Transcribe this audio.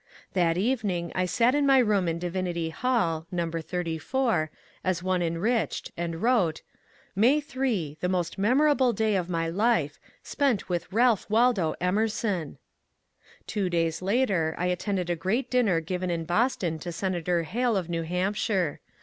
That evening I sat in my room in Divinity Hall (No. 84) as one enriched, and wrote :^^ May 8. The most memorable day of my life : spent with Ralph Waldo Emerson I " Two days later I attended a great dinner given in Boston to Senator Hale of New Hampshire.